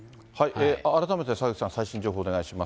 改めて、澤口さん、最新情報、お願いします。